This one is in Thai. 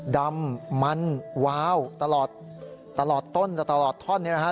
ดำมันว้าวตลอดต้นและตลอดต้นนี้นะฮะ